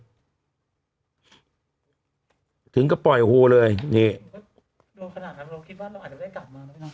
โดยขนาดนั้นเราคิดว่าเราอาจจะไม่ได้กลับมาแล้วนะ